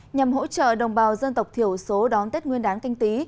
nhằm hỗ trợ đồng bào dân tộc thiểu số đón tết nguyên đán canh tí